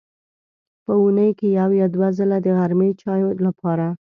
په اوونۍ کې یو یا دوه ځله د غرمې چای لپاره.